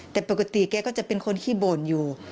แต่ปกติแกก็จะเป็นคนขี้บ่นอยู่